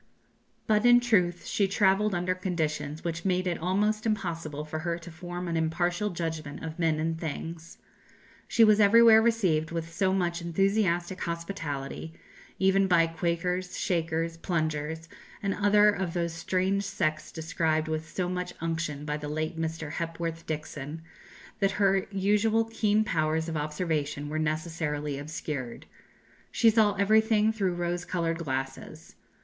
But, in truth, she travelled under conditions which made it almost impossible for her to form an impartial judgment of men and things. She was everywhere received with so much enthusiastic hospitality, even by Quakers, Shakers, Plungers, and other of those strange sects described with so much unction by the late Mr. Hepworth Dixon, that her usual keen powers of observation were necessarily obscured. She saw everything through rose coloured glasses.